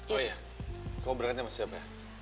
oh iya kamu berangkat sama siapa ya